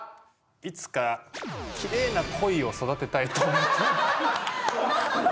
「いつかキレイなコイを育てたいと思っている」。